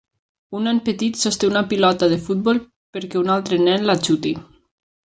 Un nen petit sosté una pilota de futbol perquè un altre nen la xuti.